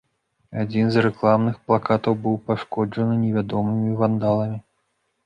Адзін з рэкламных плакатаў быў пашкоджаны невядомымі вандаламі.